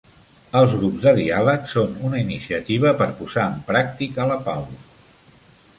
Els Grups de diàleg són una iniciativa per posar en pràctica la pau.